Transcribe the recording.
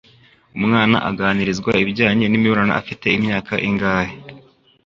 Umwana aganirizwa ibijyanye n'imibonano afite imyaka ingahe